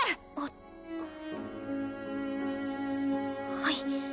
はい。